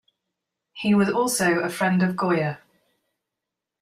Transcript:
He was also a friend of Goya.